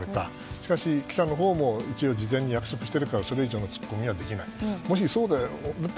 しかし、記者のほうも事前に約束しているからそれ以上の突っ込みはできない。